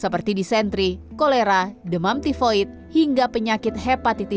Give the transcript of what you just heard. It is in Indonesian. seperti disentri kolera demam tivoid hingga penyakit hepatitis b dan j